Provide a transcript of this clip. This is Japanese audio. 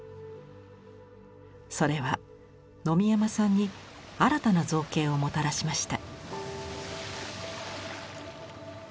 それは野見山さんに新たな造形をもたらしました。